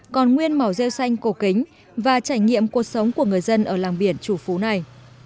còn nguyên màu rêu xanh cổ kính và trải nghiệm cuộc sống của người dân ở làng biển chủ phú này